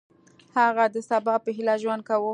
هغه د سبا په هیله ژوند کاوه.